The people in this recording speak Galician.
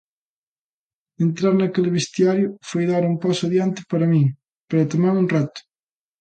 Entrar naquel vestiario foi dar un paso adiante para min, pero tamén un reto.